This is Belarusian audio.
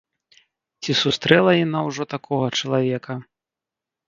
Ці сустрэла яна ўжо такога чалавека?